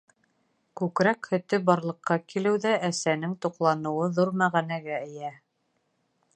Күкрәк һөтө барлыҡҡа килеүҙә әсәнең туҡланыуы ҙур мәғәнәгә эйә.